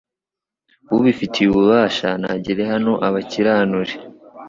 ubifitiye ububasha nagere hano abakiranure